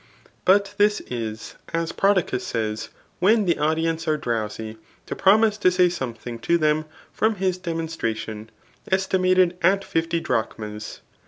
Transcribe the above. '' But this is, as JProdicus says, when the audience are drowsy, to promise to say something to them from his demonstration, estimated at fifty drachms.